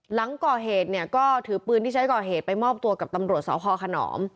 หลังก่อเหตุเนี่ยก็ถือปืนที่ใช้ก่อเหตุไปมอบตัวกับตำรวจสพขนอม